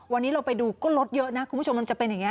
วันนี้เราไปดูก็รถเยอะนะคุณผู้ชมมันจะเป็นอย่างนี้